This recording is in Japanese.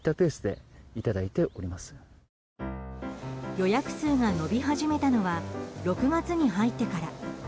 予約数が伸び始めたのは６月に入ってから。